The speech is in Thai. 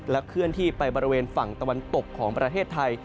เคลื่อนที่ไปบริเวณฝั่งตะวันตกของประเทศไทย